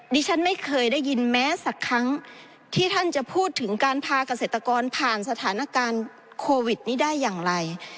ดิฉันไม่เคยได้ยินแม้สักครั้งที่ท่านจะพูดถึงการพาเกษตรกรผ่านสถานการณ์โควิดนี้ได้อย่างไร